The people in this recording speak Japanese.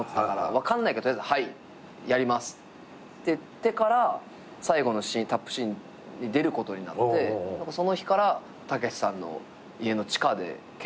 分かんないけど取りあえず「はいやります」って言ってから最後のタップシーンに出ることになってその日からたけしさんの家の地下で稽古が始まって。